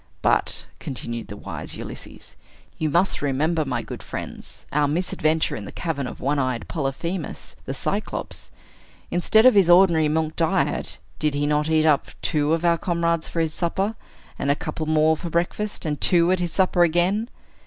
"But," continued the wise Ulysses, "you must remember, my good friends, our misadventure in the cavern of one eyed Polyphemus, the Cyclops! Instead of his ordinary milk diet, did he not eat up two of our comrades for his supper, and a couple more for breakfast, and two at his supper again?